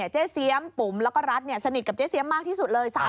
เจ๊เสียมปุ๋มแล้วก็รัฐสนิทกับเจ๊เสียมมากที่สุดเลย